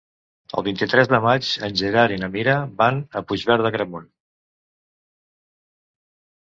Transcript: El vint-i-tres de maig en Gerard i na Mira van a Puigverd d'Agramunt.